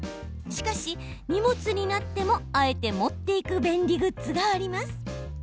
しかし、荷物になってもあえて持って行く便利グッズがあります。